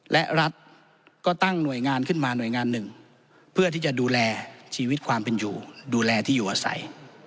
และรัฐก็ตั้งหน่วยงานขึ้นมาหน่วยงานหนึ่งเพื่อที่จะดูแลชีวิตความเป็นอยู่ดูแลที่อยู่อาศัย